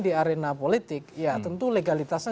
di arena politik ya tentu legalitasnya